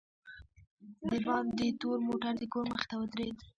دباندې تور موټر دکور مخې ته ودرېد.